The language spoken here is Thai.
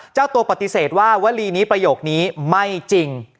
เจ้าตัวปฏิเสธว่าวลีนี้ประโยคนี้ไม่จริง